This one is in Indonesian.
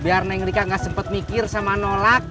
biar neng rika enggak sempat mikir sama nolak